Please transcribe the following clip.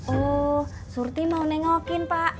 oh surti mau nengokin pak